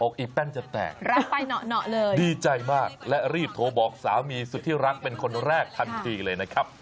อีแป้นจะแตกรักไปเหนาะเลยดีใจมากและรีบโทรบอกสามีสุดที่รักเป็นคนแรกทันทีเลยนะครับ